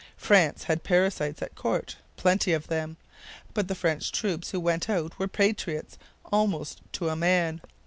France had parasites at court, plenty of them. But the French troops who went out were patriots almost to a man.